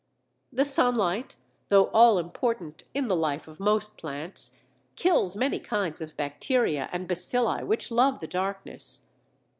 The sunlight, though all important in the life of most plants, kills many kinds of bacteria and bacilli which love the darkness.